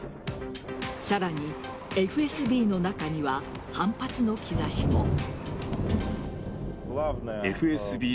さらに、ＦＳＢの中には反発の兆しも。